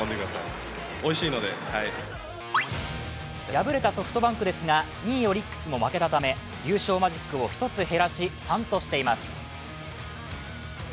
敗れたソフトバンクですが、２位・オリックスも負けたため、優勝マジックを１つ減らし、３としています。